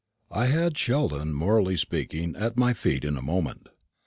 I had my Sheldon, morally speaking, at my feet in a moment.